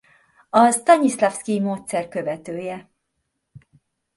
A Sztanyiszlavszkij-módszer követője.